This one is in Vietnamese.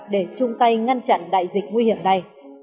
để chung tay ngăn chặn đại dịch nguy hiểm này